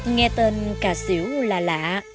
nghe tên cà xỉu là lạ